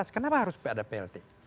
kenapa harus ada prt